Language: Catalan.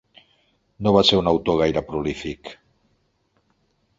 No va ser un autor gaire prolífic.